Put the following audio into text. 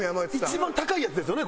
一番高いやつですよね？